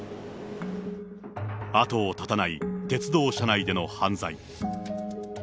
後を絶たない鉄道車内での犯罪。